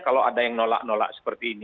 kalau ada yang nolak nolak seperti ini